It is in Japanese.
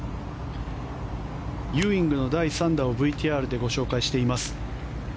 ユーイングの第３打をＶＴＲでご紹介しています。